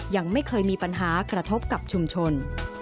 ยังไม่เคยมีปัญหากระทบกับชุมชน